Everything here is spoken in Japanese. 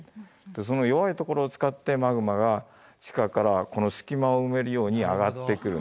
その弱いところを使ってマグマが地下からこの隙間を埋めるように上がってくるんですね。